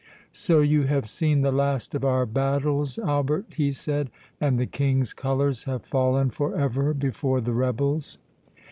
"So you have seen the last of our battles, Albert," he said, "and the King's colours have fallen for ever before the rebels."